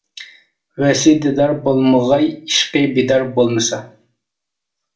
ۋەسلى دىدار بولمىغاي ئىشقى بىدار بولمىسا.